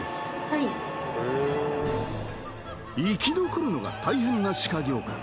はい生き残るのが大変な歯科業界